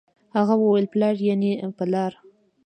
هغه وويل پلار يعنې په لار